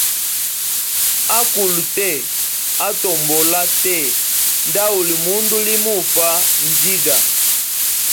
Akulu tee, atombola tee, ndauli mundu limufaa nziga.